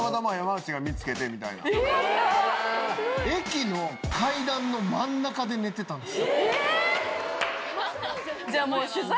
⁉駅の階段の真ん中で寝てたんすよ。